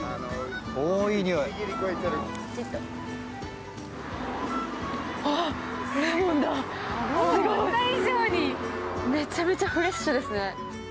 思った以上にめちゃめちゃフレッシュですね。